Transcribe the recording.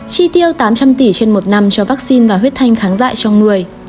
tri tiêu tám trăm linh tỷ trên một năm cho vaccine và huyết thanh kháng dại cho người